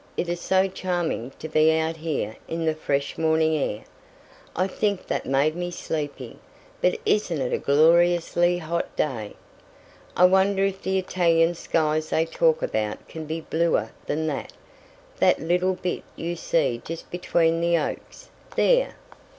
It is so charming to be out here in the fresh morning air. I think that made me sleepy. But isn't it a gloriously hot day? I wonder if the Italian skies they talk about can be bluer than that that little bit you see just between the oaks there!"